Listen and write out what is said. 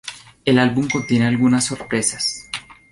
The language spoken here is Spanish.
El álbum contiene algunas sorpresas.